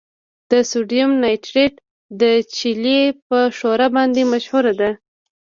د سوډیم نایټریټ د چیلي په ښوره باندې مشهوره ده.